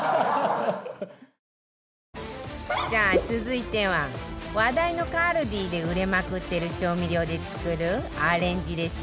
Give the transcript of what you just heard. さあ続いては話題の ＫＡＬＤＩ で売れまくってる調味料で作るアレンジレシピ